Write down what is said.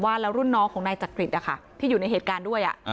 แล้วรุ่นน้องของนายจักริตที่อยู่ในเหตุการณ์ด้วย